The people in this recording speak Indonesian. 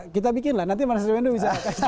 kita bikin lah nanti mas wendo bisa